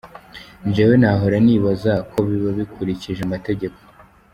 "Jewe nahora nibaza ko biba bikurikije amategeko.